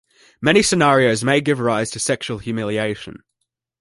Many scenarios may give rise to sexual humiliation.